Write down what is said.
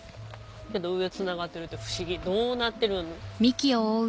けど上つながってるって不思議どうなってるん？